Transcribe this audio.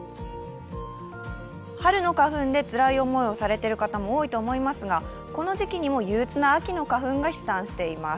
春の花粉でつらい思いをされている方も多いと思いますが、この時期にも憂うつな秋の花粉が飛散しています。